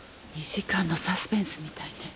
２時間サスペンスみたいね。